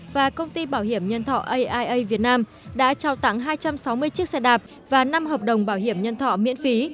và công ty bảo hiểm nhân thọ aia việt nam đã trao tặng hai trăm sáu mươi chiếc xe đạp và năm hợp đồng bảo hiểm nhân thọ miễn phí